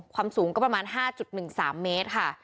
ความสูงก็ประมาณ๕๑๓เมตรค่ะ